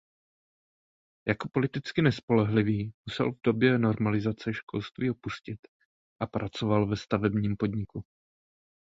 Jako politicky nespolehlivý musel v době normalizace školství opustit a pracoval ve stavebním podniku.